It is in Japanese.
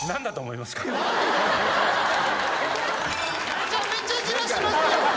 めちゃめちゃじらしますやん！